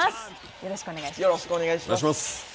よろしくお願いします。